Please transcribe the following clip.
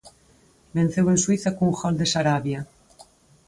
Venceu en Suíza cun gol de Sarabia.